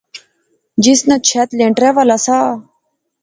جس ناں چھت لینٹرے والا سا